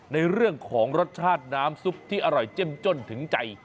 ในเรื่องของรสชาติน้ำซุปที่อร่อยเจ้มจ้นถึงใจ